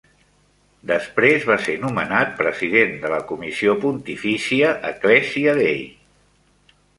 Després va ser nomenat president de la Comissió Pontifícia "Ecclesia Dei".